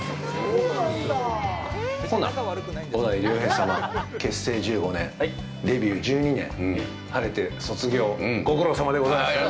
ほな、小田井涼平様、結成１５年、デビュー１２年、晴れて卒業、ご苦労さまでございました！